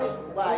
waduh apaan ini